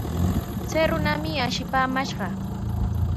Chay runami ashipaamashqa.